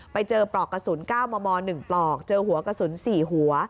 ปลอกกระสุน๙มม๑ปลอกเจอหัวกระสุน๔หัว